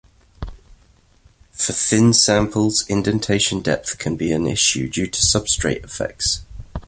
For thin samples indentation depth can be an issue due to substrate effects.